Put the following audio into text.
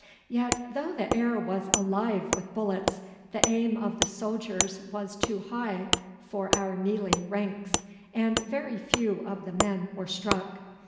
Yet though the air was alive with bullets, the aim of the soldiers was too high for our kneeling ranks, and very few of the men were struck.